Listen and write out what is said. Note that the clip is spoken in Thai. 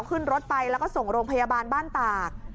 ขึ้นรถไปแล้วก็ส่งโรงพยาบาลบ้านตาก